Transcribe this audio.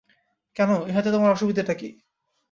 কেন, ইহাতে তোমার অসুবিধাটা কী?